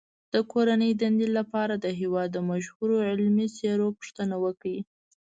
د کورنۍ دندې لپاره د هېواد د مشهورو علمي څیرو پوښتنه وکړئ.